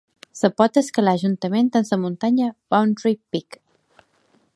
Es pot escalar juntament amb la muntanya Boundary Peak.